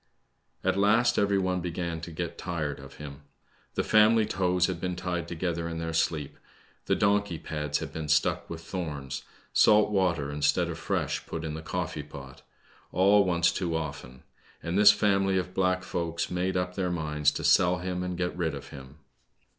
At last every one began to get tired of him. The family toes had been tied together in their sleep, the donkey pads had been stuck with thorns, salt water, instead of fresh, put in the coffee pot; all once too often : and this family of black folks made up their minds to sell him and get rid of him.